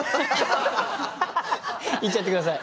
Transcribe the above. いっちゃってください。